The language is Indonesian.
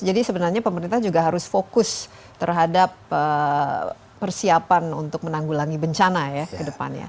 jadi sebenarnya pemerintah juga harus fokus terhadap persiapan untuk menanggulangi bencana ya ke depannya